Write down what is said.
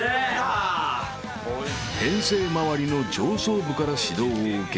［編成周りの上層部から指導を受け